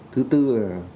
thứ tư là